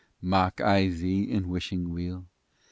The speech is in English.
XIX Mock I thee, in wishing weal?